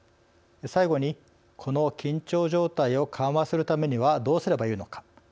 最後にこの緊張状態を緩和するためにはどうすればよいのか。